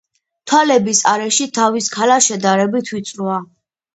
თვალების არეში თავის ქალა შედარებით ვიწროა.